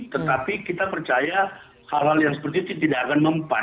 tetapi kita percaya hal hal yang seperti itu tidak akan mempan